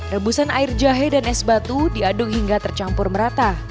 rebusan air jahe dan es batu diaduk hingga tercampur merata